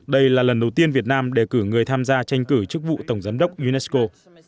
đây là lần đầu tiên việt nam đề cử người tham gia tranh cử chức vụ tổng giám đốc unesco